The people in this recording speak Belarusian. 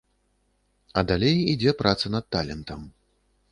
А далей ідзе праца над талентам.